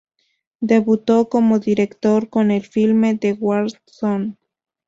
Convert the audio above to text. Debutó como director con el filme "The War Zone".